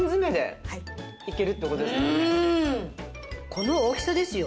この大きさですよ！